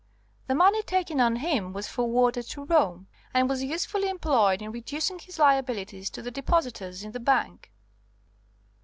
The money taken on him was forwarded to Rome, and was usefully employed in reducing his liabilities to the depositors in the bank.